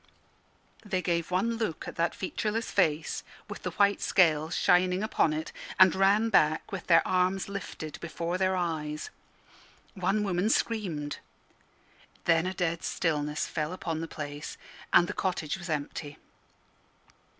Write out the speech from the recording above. They gave one look at that featureless face, with the white scales shining upon it, and ran back with their arms lifted before their eyes. One woman screamed. Then a dead stillness fell on the place, and the cottage was empty.